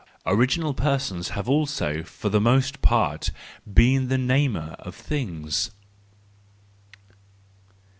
—Original persons have also for the most part been the namers of things.